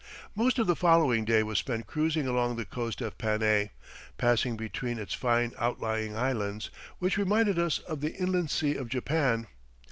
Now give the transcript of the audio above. Most of the following day was spent cruising along the coast of Panay, passing between its fine outlying islands, which reminded us of the Inland Sea of Japan.